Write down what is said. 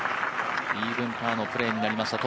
イーブンパーのプレーになりました。